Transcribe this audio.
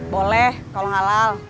boleh kalau halal